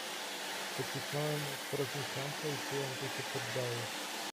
"Pocisnąłem ostrożnie klamkę i czułem, że się poddaje."